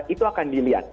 itu akan dilihat